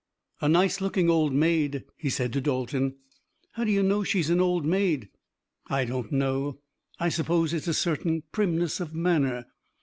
"A nice looking old maid," he said to Dalton. "How do you know she's an old maid?" "I don't know. I suppose it's a certain primness of manner."